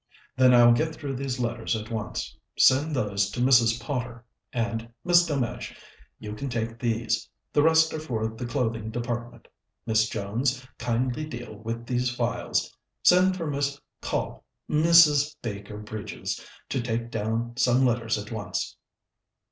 "Then I'll get through these letters at once. Send those to Mrs. Potter; and, Miss Delmege, you can take these the rest are for the Clothing Department. Miss Jones, kindly deal with these files.... Send for Miss Coll Mrs. Baker Bridges, to take down some letters at once."